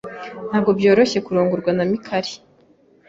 Ntabwo byoroshye kurongorwa na Mikali.